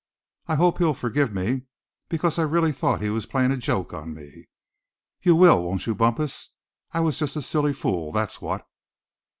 I hope he'll forgive me, because I really thought he was playing a joke on me. You will, won't you, Bumpus? I was just a silly fool, that's what."